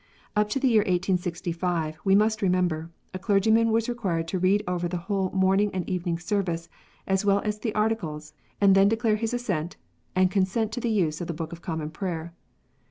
Up to the year 1865, we must remember, a clergyman was required to read over the whole Morning and Evening Service as well as the Articles, and then declare his assent and consent to the use of the Book of Common Prayer.